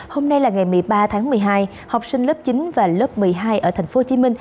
hôm nay là ngày một mươi ba tháng một mươi hai học sinh lớp chín và lớp một mươi hai ở tp hcm